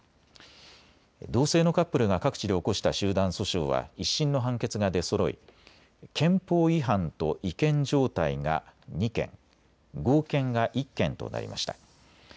同性のカップルが各地で起こした集団訴訟は１審の判決が出そろい憲法違反と違憲状態が２件、合憲が１件となりました。